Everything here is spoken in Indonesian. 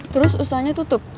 terus usahanya tutup